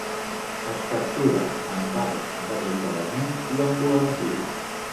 Es captura amb arts d'arrossegament i amb volantí.